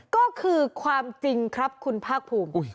ก็คือความจริงครับคุณภาคภูมิ